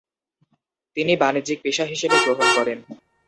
তিনি বাণিজ্যকে পেশা হিসেবে গ্রহণ করেন।